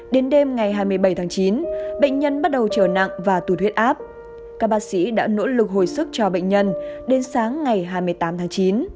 đến đêm ngày hai mươi bảy tháng chín bệnh nhân bắt đầu trở nặng và tụt huyết áp các bác sĩ đã nỗ lực hồi sức cho bệnh nhân đến sáng ngày hai mươi tám tháng chín